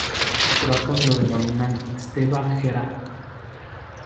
Los croatas lo denominan "Sveta Gera".